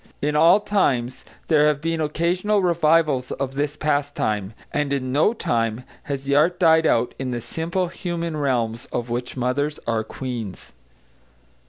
In all times there have been occasional revivals of this pastime, and in no time has the art died out in the simple human realms of which mothers are queens.